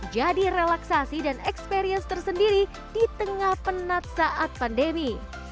jadi relaksasi dan experience tersendiri di tengah penat saat pandemi